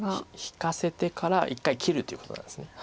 引かせてから一回切るということなんです。